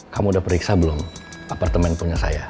kamu udah periksa belum apartemen punya saya